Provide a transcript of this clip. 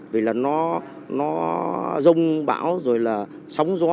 vì là nó rông bão rồi là sóng gió